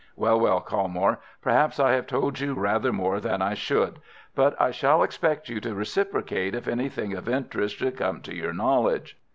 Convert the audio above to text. Well, well, Colmore, perhaps I have told you rather more than I should, but I shall expect you to reciprocate if anything of interest should come to your knowledge."